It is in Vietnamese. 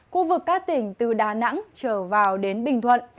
khu vực các tỉnh từ đà nẵng trở vào đến bình thuận